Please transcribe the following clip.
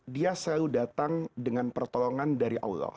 dia selalu datang dengan pertolongan dari allah